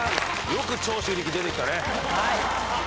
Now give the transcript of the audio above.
よく長州力出てきたね。